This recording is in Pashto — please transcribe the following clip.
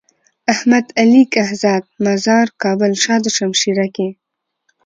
احمد علي کهزاد مزار کابل شاه دو شمشيره کي۔